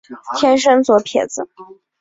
天生左撇子。